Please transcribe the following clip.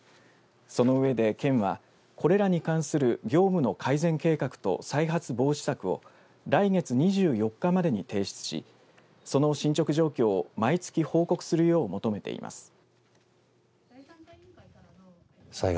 その上で県は、これらに関する業務の改善計画と再発防止策を来月２４日までに提出しその進ちょく状況を毎月報告するよう求めています。